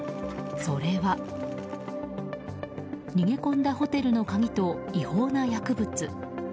それは、逃げ込んだホテルの鍵と違法な薬物。